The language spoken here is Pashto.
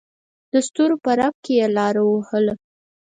دسترو په رپ کې یې لار ووهله.